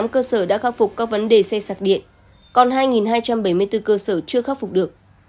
hai mươi tám cơ sở đã khắc phục các vấn đề xe sạc điện còn hai hai trăm bảy mươi bốn cơ sở chưa khắc phục được